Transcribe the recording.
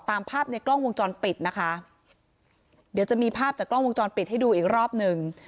ตามภาพในกล้องวงจรปิดนะคะเดี๋ยวจะมีภาพจากกล้องวงจรปิดให้ดูอีกรอบหนึ่ง